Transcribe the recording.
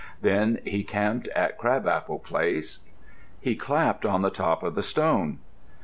Then he camped at Crab apple place. He clapped on the top of the stone.